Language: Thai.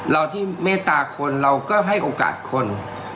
เราที่เมตตาคนเราก็ให้โอกาสคน